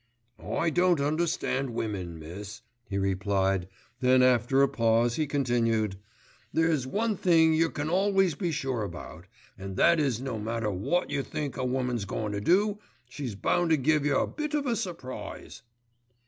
"I don't understand women, miss," he replied, then after a pause he continued, "There's one thing yer can always be sure about, an' that is no matter wot yer think a woman's goin' to do, she's bound to give yer a bit of a surprise."